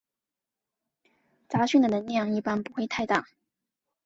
杂讯的能量一般不会太大。